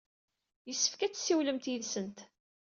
Yessefk ad tessiwlemt yid-sent.